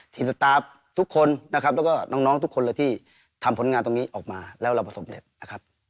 สตาร์ฟทุกคนนะครับแล้วก็น้องทุกคนเลยที่ทำผลงานตรงนี้ออกมาแล้วเราประสบเร็จนะครับ